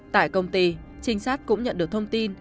tại công ty trinh sát cũng nhận được thông tin